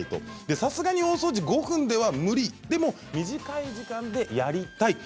さすがに大掃除５分では無理でも短い時間でやりたい。